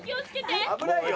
危ないよ。